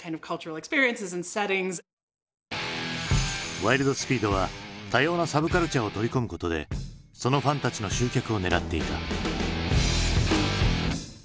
「ワイルド・スピード」は多様なサブカルチャーを取り込むことでそのファンたちの集客を狙っていた。